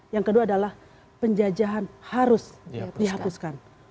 yang kedua adalah penjajahan harus dihapuskan